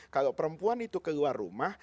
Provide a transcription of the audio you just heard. kalau perempuan itu keluar rumah